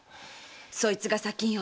そいつが砂金を？